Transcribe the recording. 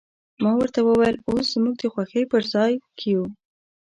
ما ورته وویل، اوس زموږ د خوښۍ په ځای کې یو.